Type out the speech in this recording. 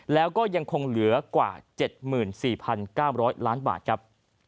แล้วก็ยังคงเหลือกว่า๗๔๙๐๐ล้านบาทครับ